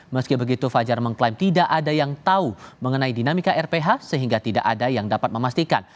meski begitu fajar mengklaim tidak ada yang tahu mengenai dinamika rph sehingga tidak ada yang dapat memastikan